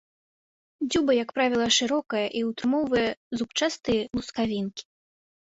Дзюба, як правіла, шырокая і ўтрымоўвае зубчастыя лускавінкі.